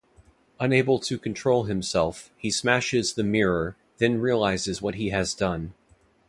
Unable to control himself, he smashes the mirror, then realizes what he has done.